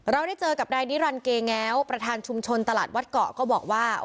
เราได้เจอกับนายนิรันดิเกแง้วประธานชุมชนตลาดวัดเกาะก็บอกว่า